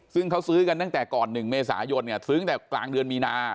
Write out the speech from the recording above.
ซึ่งเขาซื้อกันตั้งแต่ก่อน๑เมษายนเนี่ยซื้อตั้งแต่กลางเดือนมีนา